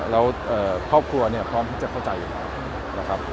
แล้วครอบครัวเนี่ยพร้อมให้เข้าใจอยู่นะครับ